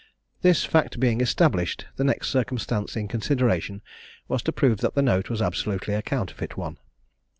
This fact being established, the next circumstance in consideration was to prove that the note was absolutely a counterfeit one.